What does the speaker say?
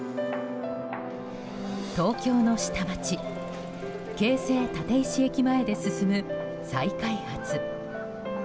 東京の下町京成立石駅前で進む再開発。